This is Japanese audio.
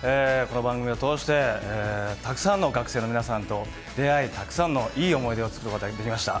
この番組を通して、たくさんの学生の皆さんと出会いたくさんのいい思い出を作ることができました。